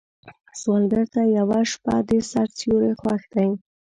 سوالګر ته یوه شپه د سر سیوری خوښ دی